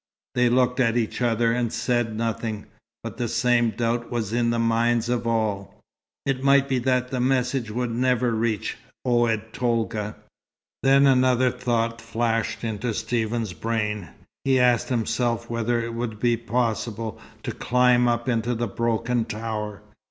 They looked at each other, and said nothing, but the same doubt was in the minds of all. It might be that the message would never reach Oued Tolga. Then another thought flashed into Stephen's brain. He asked himself whether it would be possible to climb up into the broken tower.